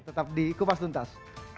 tetap di kupas tuntas